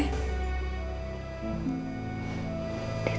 tapi pin paham teh